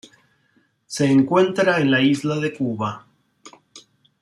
Se encuentra en la isla de Cuba.